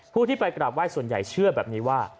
ผู้ที่ไปกราบไห้ส่วนใหญ่เชื่อแบบนี้ว่า